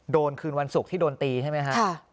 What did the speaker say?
โดนคืนวันศุกร์ที่โดนตีใช่ไหมครับ